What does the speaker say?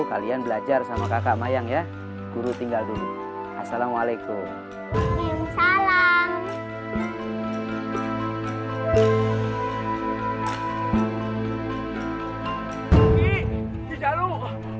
kalian belajar sama kakak mayang ya guru tinggal dulu assalamualaikum salam